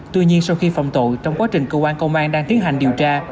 tuy nhiên sau khi phòng tội trong quá trình cơ quan công an đang tiến hành điều tra